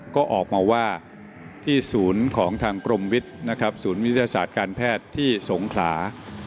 ก็ออกมาว่าที่ศูนย์ของทางกรมวิทย์นะครับศูนย์วิทยาศาสตร์การแพทย์ที่สงขลา